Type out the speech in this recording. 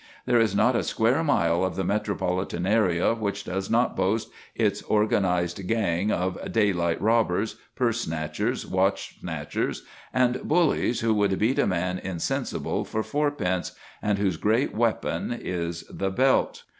There is not a square mile of the metropolitan area which does not boast its organised gang of daylight robbers, purse snatchers, watch snatchers, and bullies who would beat a man insensible for fourpence, and whose great weapon is the belt.